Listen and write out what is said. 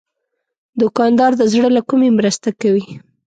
دوکاندار د زړه له کومي مرسته کوي.